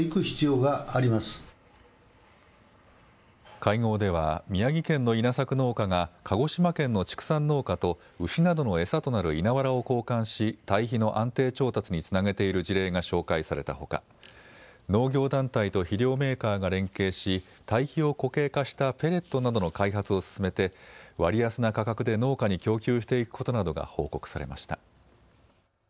会合では宮城県の稲作農家が鹿児島県の畜産農家と牛などの餌となる稲わらを交換し堆肥の安定調達につなげている事例が紹介されたほか農業団体と肥料メーカーが連携し堆肥を固形化したペレットなどの開発を進めて割安な価格で農家に供給していくことなどが報告されました。